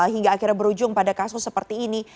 hingga akhirnya berujung pada kasus seperti ini